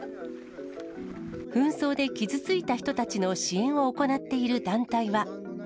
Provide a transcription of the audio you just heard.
紛争で傷ついた人たちの支援を行っている団体は。